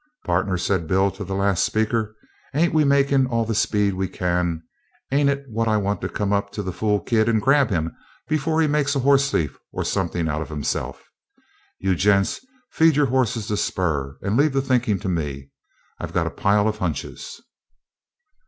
"Partner," said Bill to the last speaker, "ain't we makin' all the speed we can? Ain't it what I want to come up to the fool kid and grab him before he makes a hoss thief or somethin' out of himself? You gents feed your hosses the spur and leave the thinkin' to me. I got a pile of hunches."